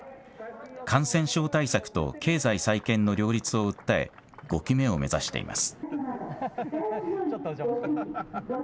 感染症対策と経済再建の両立を訴え、５期目を目指しています。